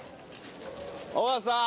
尾形さん。